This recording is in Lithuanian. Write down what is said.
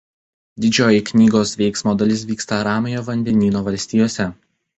Didžioji knygos veiksmo dalis vyksta Ramiojo Vandenyno Valstijose.